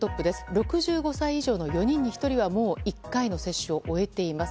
６５歳以上の４人に１人は１回の接種を終えています。